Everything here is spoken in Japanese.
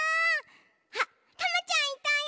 あっタマちゃんいたよ！